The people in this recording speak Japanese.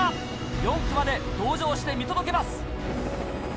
４区まで同乗して見届けます！